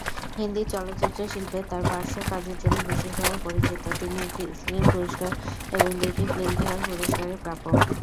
হিন্দি চলচ্চিত্র শিল্পে তার পার্শ্ব কাজের জন্য বিশেষভাবে পরিচিত, তিনি একটি স্ক্রিন পুরস্কার এবং দুইটি ফিল্মফেয়ার পুরস্কারের প্রাপক।